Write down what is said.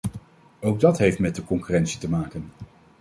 Ook dat heeft met de concurrentie te maken.